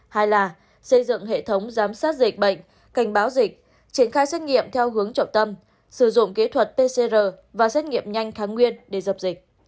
hai là xây dựng hệ thống giám sát dịch bệnh cảnh báo dịch triển khai xét nghiệm theo hướng trọng tâm sử dụng kỹ thuật pcr và xét nghiệm nhanh kháng nguyên để dập dịch